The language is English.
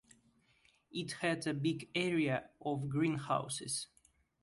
It had a big area of greenhouses.